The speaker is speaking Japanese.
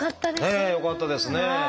ねえよかったですね。